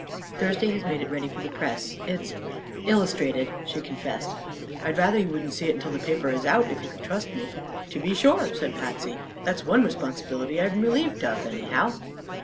"Thursday has made it ready for the press. It's illustrated," she confessed. "I'd rather you wouldn't see it until the paper is out, if you can trust me." "To be sure," said Patsy. "That's one responsibility I'm relieved of, anyhow."